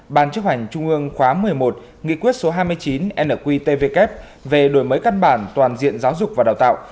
ban chấp hành trung ương khóa một mươi một nghị quyết số hai mươi chín nqtvk về đổi mới căn bản toàn diện giáo dục và đào tạo